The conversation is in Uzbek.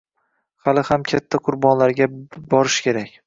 hali ham katta qurbonlarga borish kerak